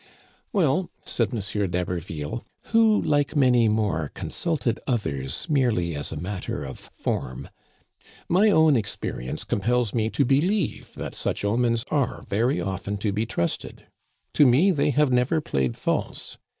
" Well," said M d'Haberville, who, like many more, consulted others merely as a matter of form, " my own experience compels me to believe that such omens are very often to be trusted. To me they have never played false.